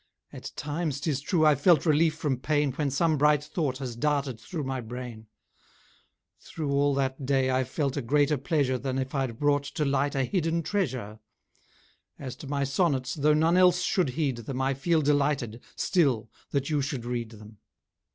At times, 'tis true, I've felt relief from pain When some bright thought has darted through my brain: Through all that day I've felt a greater pleasure Than if I'd brought to light a hidden treasure. As to my sonnets, though none else should heed them, I feel delighted, still, that you should read them.